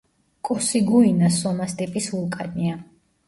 კოსიგუინა სომას ტიპის ვულკანია.